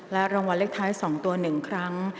รางวัลเลขท้าย๒ตัว๑ครั้ง